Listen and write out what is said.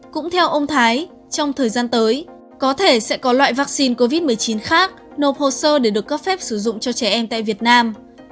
cũng theo ông thái trong thời gian tới có thể sẽ có loại vaccine covid một mươi chín khác nộp hồ sơ để được cấp phép sử dụng cho trẻ em tại việt nam